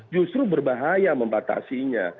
justru berbahaya membatasinya